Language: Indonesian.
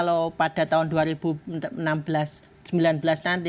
kalau pada tahun dua ribu sembilan belas nanti